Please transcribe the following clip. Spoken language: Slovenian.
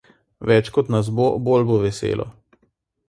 Več kot nas bo, bolj bo veselo.